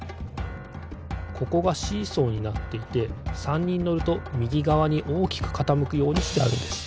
ここがシーソーになっていて３にんのるとみぎがわにおおきくかたむくようにしてあるんです。